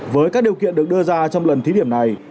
với các điều kiện được đưa ra trong lần thí điểm này